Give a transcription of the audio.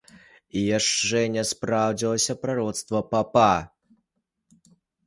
І яшчэ не спраўдзілася прароцтва папа.